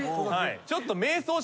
ちょっとね。